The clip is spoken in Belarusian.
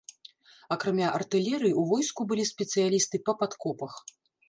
Акрамя артылерыі, у войску былі спецыялісты па падкопах.